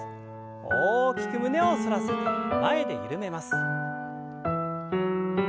大きく胸を反らせて前で緩めます。